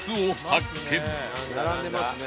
並んでますね。